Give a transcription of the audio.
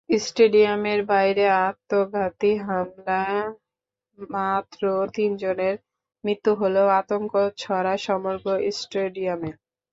স্টেডিয়ামের বাইরে আত্মঘাতী হামলায় মাত্র তিনজনের মৃত্যু হলেও আতঙ্ক ছড়ায় সমগ্র স্টেডিয়ামে।